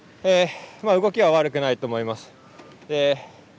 動きは悪くないと思います。